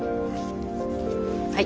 はい。